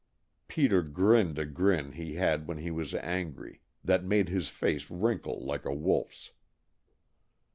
Peter grinned a grin he had when he was angry, that made his face wrinkle like a wolf's.